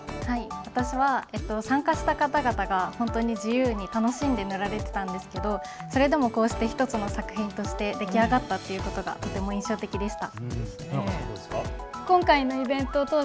私は参加した方々が本当に自由に楽しんで塗られていたんですがそれでもこうして１つの作品として出来上がったということがとても印象的でした。